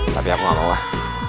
tapi aku gak mau lah